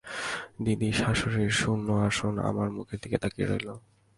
দিদিশাশুড়ির শূন্য আসন আমার মুখের দিকে তাকিয়ে রইল।